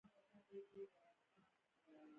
د وای فای نوم مې بدل کړ.